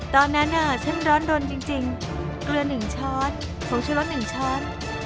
ตอนนั้นอ่ะฉันร้อนรนจริงเกลือ๑ชอตผงชุดร้อน๑ชอต